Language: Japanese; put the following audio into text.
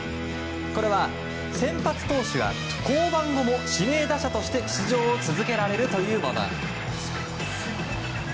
これは先発投手が降板後も指名打者として出場を続けられるというもの。